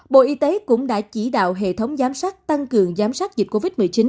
bộ y tế cũng đã chỉ đạo hệ thống giám sát tăng cường giám sát dịch covid một mươi chín